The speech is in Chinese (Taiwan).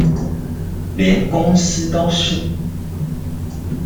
連公司都是？